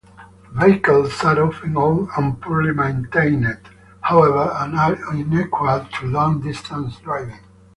Vehicles are often old and poorly maintained, however, and are unequal to long-distance driving.